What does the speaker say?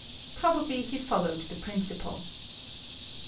Probably he followed the principal.